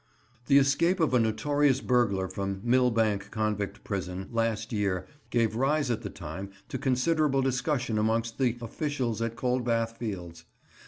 The escape of a notorious burglar from Millbank Convict Prison last year gave rise at the time to considerable discussion amongst the officials at Coldbath Fields.